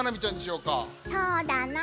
そうだな。